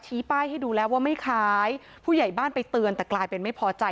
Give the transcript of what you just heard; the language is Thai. ป้ายให้ดูแล้วว่าไม่คล้ายผู้ใหญ่บ้านไปเตือนแต่กลายเป็นไม่พอใจ